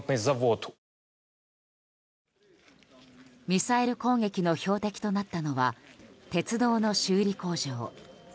ミサイル攻撃の標的となったのは鉄道の修理工場。